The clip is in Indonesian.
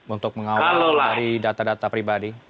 untuk mengawal dari data data pribadi